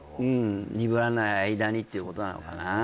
うん鈍らない間にっていうことなのかな